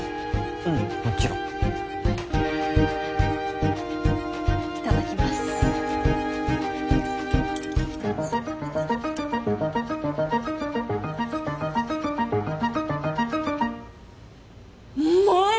うんもちろんいただきますうまっ！